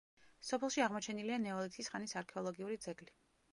სოფელში აღმოჩენილია ნეოლითის ხანის არქეოლოგიური ძეგლი.